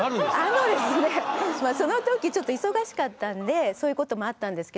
あのですねその時ちょっと忙しかったんでそういうこともあったんですけど。